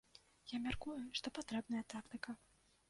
Я мяркую, што патрэбная тактыка.